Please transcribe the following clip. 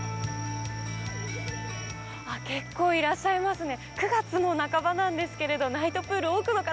結構いらっしゃいますね。